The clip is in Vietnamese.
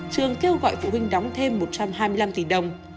trường kêu gọi phụ huynh đóng thêm một trăm hai mươi năm tỷ đồng